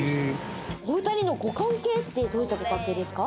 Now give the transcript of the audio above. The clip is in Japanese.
お２人のご関係ってどういうご関係ですか？